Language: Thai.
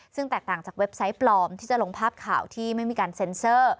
ซึ่งแตกต่างจากเว็บไซต์ปลอมที่จะลงภาพข่าวที่ไม่มีการเซ็นเซอร์